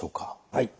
はい。